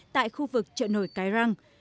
tại khu vực trợ nổi cái răng